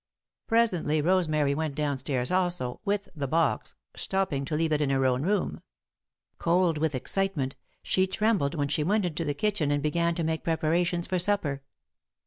Presently Rosemary went down stairs also, with the box, stopping to leave it in her own room. Cold with excitement, she trembled when she went into the kitchen and began to make preparations for supper.